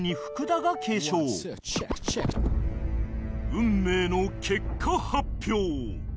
運命の結果発表